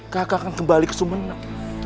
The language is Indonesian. kakak akan kembali ke sumeneb